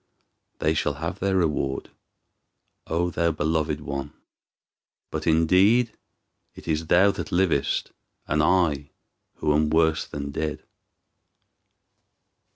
They shall have their reward, O thou beloved one! But indeed it is thou that livest, and I who am worse than dead."